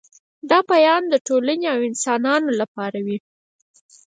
دا پیام د ټولنې او انسانانو لپاره وي